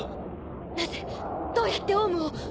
なぜどうやって王蟲を。